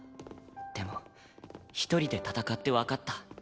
でも一人で戦ってわかった。